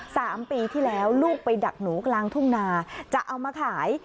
สามปีที่แล้วลูกไปดักหนูกลางทุ่งนาจะเอามาขาย